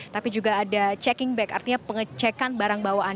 tapi juga ada checking back artinya pengecekan barang bawaan